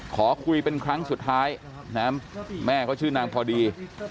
ขอคุยเป็นครั้งสุดท้ายนะแม่เขาชื่อนางพอดี